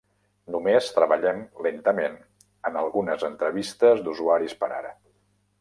Només treballem lentament en algunes entrevistes d'usuaris per ara.